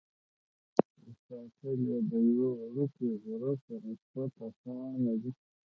ساتل یې د یوه وړوکي غره په نسبت اسانه دي.